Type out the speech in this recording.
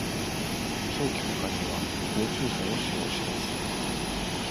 長期保管には、防虫剤を使用します。